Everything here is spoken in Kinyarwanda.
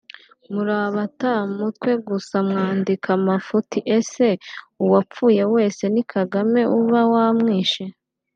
Murabata mutwe gusa mwandika amafuti ese uwapfuye wese ni Kagame uba wamwishe